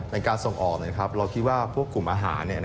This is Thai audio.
ในการส่งออกเราคิดว่าพวกกลุ่มอาหาร